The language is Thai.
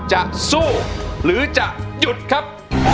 จะสู้หรือจะหยุดครับ